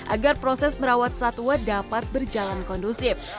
agar proses merawat satwa dapat berjalan kondusif